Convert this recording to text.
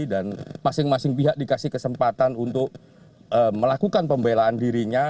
dan masing masing pihak dikasih kesempatan untuk melakukan pembelaan dirinya